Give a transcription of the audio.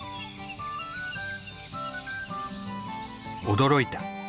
驚いた。